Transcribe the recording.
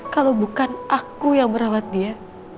kalau bukan aku yang merawat dia